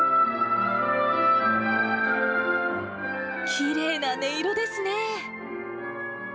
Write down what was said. きれいな音色ですね。